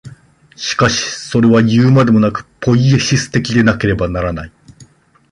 しかしそれはいうまでもなく、ポイエシス的でなければならない。